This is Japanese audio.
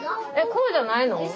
こうじゃないの？